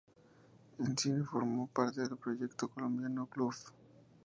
En cine formó parte del proyecto colombiano "Bluff".